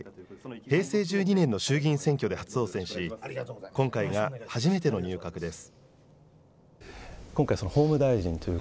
平成１２年の衆議院選挙で初当選し、今回が初めての入閣です。